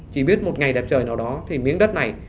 chỉ biết một ngày đẹp trời nào đó thì miếng đất này